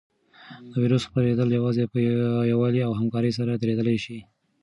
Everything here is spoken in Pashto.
د وېروس خپرېدل یوازې په یووالي او همکارۍ سره درېدلی شي.